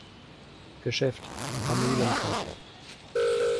Geschäft, am Mühlenkamp.